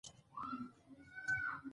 د پوهې لاره د جنت لاره ده.